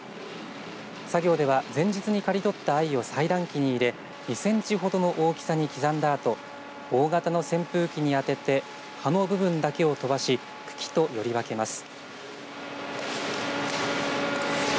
作業では前日に刈り取った藍を裁断機に入れ２センチほどの大きさに刻んだあと大型の扇風機にあてて葉の部分だけを飛ばし茎と、より分けます。